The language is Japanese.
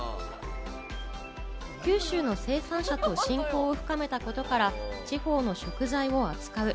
九州の生産者と親交を深めたことから地方の食材を扱う。